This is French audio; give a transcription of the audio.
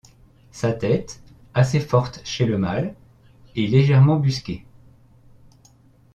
Sa tête, assez forte chez le mâle, et légèrement busquée.